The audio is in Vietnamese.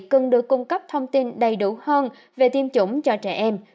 cần được cung cấp thông tin đầy đủ hơn về tiêm chủng cho trẻ em